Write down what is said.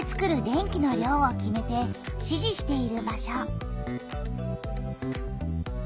電気の量を決めて指示している場所。